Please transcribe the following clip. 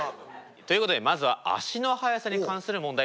ということでまずは足の速さに関する問題